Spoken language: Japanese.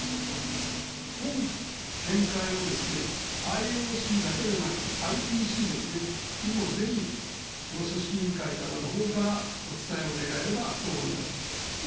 本見解をＩＯＣだけでなく、ＩＰＣですね、にも、ぜひ組織委員会のほうからもお伝えを願えればと思います。